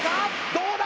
どうだ？